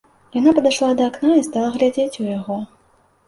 Яна падышла да акна і стала глядзець у яго.